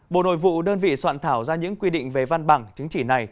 bộ nội vụ đơn vị soạn thảo ra những quy định về văn bằng chứng chỉ này